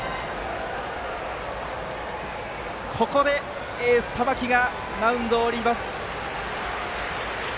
ここでエース玉木がマウンドを降ります。